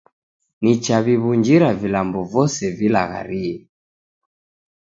Nichaw'iw'unjira vilambo vose vilaghariye